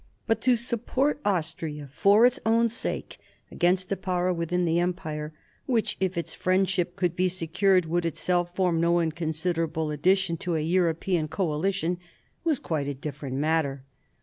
But to support Austria for its own sake against a Power within the Empire, which if its friendship could be secured would itself form no inconsiderable addition to a European coalition, was quite a different matter.